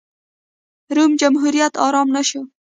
روم جمهوریت ارام نه شو.